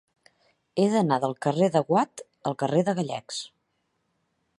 He d'anar del carrer de Watt al carrer de Gallecs.